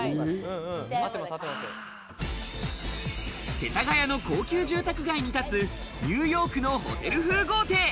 世田谷の高級住宅街に立つニューヨークのホテル風豪邸。